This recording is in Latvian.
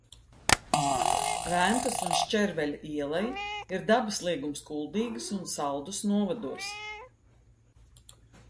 Ventas un Šķerveļa ieleja ir dabas liegums Kuldīgas un Saldus novados.